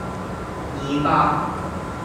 二百